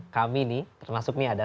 kami nih termasuk nih ada